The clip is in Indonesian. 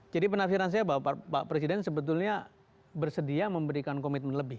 jadi penafsiran saya bahwa pak presiden sebetulnya bersedia memberikan komitmen lebih